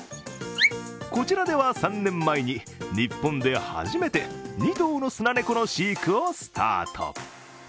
こちらでは３年前に日本で初めて２頭のスナネコの飼育をスタート。